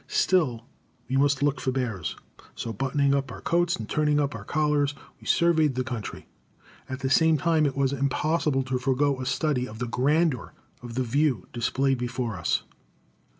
Still we must look for bears; so buttoning up our coats and turning up our collars we surveyed the country. At the same time it was impossible to forego a study of the grandeur of the view displayed before us.